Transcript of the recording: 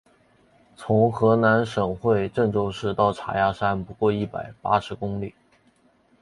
从河南省会郑州市到嵖岈山不过一百八十公里。